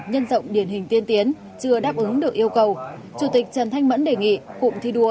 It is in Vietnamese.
nhân rộng điển hình tiên tiến chưa đáp ứng được yêu cầu chủ tịch trần thanh mẫn đề nghị cụm thi đua